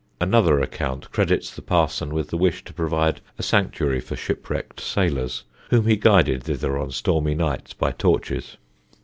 Another account credits the parson with the wish to provide a sanctuary for shipwrecked sailors, whom he guided thither on stormy nights by torches.